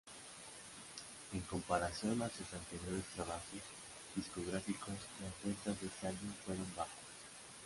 En comparación a sus anteriores trabajos discográficos, las ventas de este álbum fueron bajas.